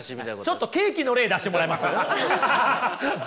ちょっとケーキの例出してもらえます？